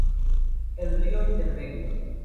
El río intermedio."".